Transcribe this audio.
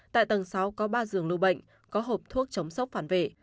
tại tầng sáu có ba giường lưu bệnh có hộp thuốc chống sốc phản vệ